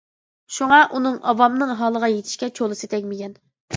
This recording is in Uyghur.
شۇڭا ئۇنىڭ ئاۋامنىڭ ھالىغا يىتىشكە چولىسى تەگمىگەن.